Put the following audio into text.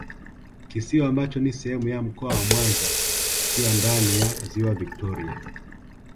kisiwa ambacho ni sehemu ya Mkoa wa Mwanza kikiwa ndani ya Ziwa Victoria